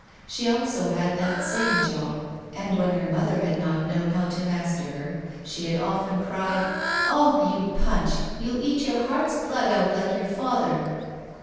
She also had that same jaw, and when her mother had not known how to master her, she had often cried: 'Ah, my girl, you'll eat your heart's blood out like your father.